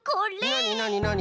なになになに？